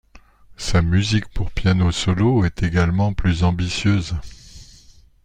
Sa musique pour piano solo est également plus ambitieuses.